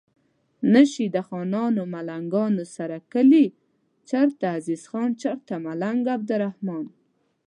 نه شي د خانانو ملنګانو سره کلي چرته عزیز خان چرته ملنګ عبدالرحمان